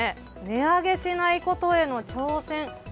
「値上げしないことへの挑戦」。